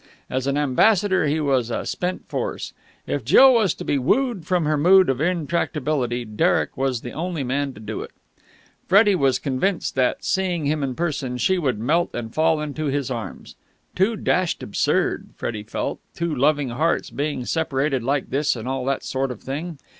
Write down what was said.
As an ambassador he was a spent force. If Jill was to be wooed from her mood of intractibility, Derek was the only man to do it. Freddie was convinced that, seeing him in person, she would melt and fall into his arms. Too dashed absurd, Freddie felt, two loving hearts being separated like this and all that sort of thing.